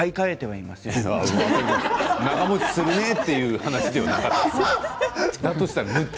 笑い声長もちするねという話ではなかった。